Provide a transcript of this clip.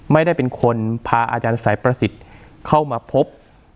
ไม่ได้เป็นคนพาอาจารย์สายประสิทธิ์เข้ามาพบ